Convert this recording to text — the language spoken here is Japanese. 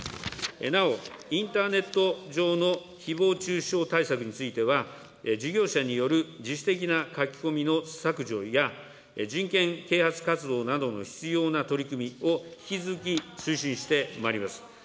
なお、インターネット上のひぼう中傷対策については、事業者による自主的な書き込みの削除や、人権啓発活動などの必要な取り組みを引き続き推進してまいります。